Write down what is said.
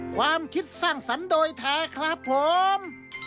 ความคิดสร้างสรรค์โดยแท้ครับผม